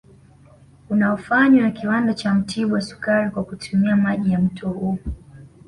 Unaofanywa na Kiwanda cha Mtibwa sukari kwa kutumia maji ya mto huo